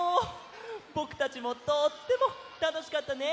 ぼくたちもとってもたのしかったね。